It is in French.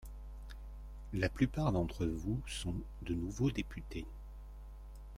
La plupart d’entre vous sont de nouveaux députés.